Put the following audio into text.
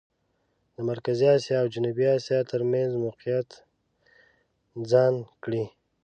د مرکزي اسیا او جنوبي اسیا ترمېنځ موقعیت ځان کړي.